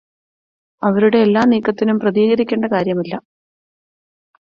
അവരുടെ എല്ലാ നീക്കത്തിനും പ്രതികരിക്കേണ്ട കാര്യമില്ല.